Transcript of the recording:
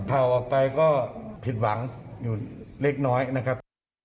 ข่าวออกไปก็ผิดหวังอยู่เล็กน้อยนะครับ